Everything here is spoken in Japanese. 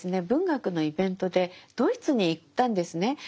文学のイベントでドイツに行ったんですね。